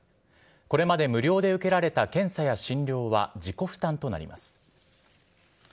これまで無料で受けられた検査や診療は自己負担となります。